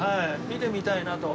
見てみたいなと。